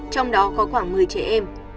trong đó có khoảng một mươi trẻ em